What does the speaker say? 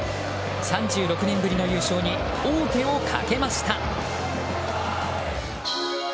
３６年ぶりの優勝に王手をかけました。